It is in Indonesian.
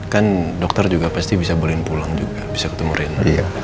kan dokter juga pasti bisa bolehin pulang juga bisa ketemu rina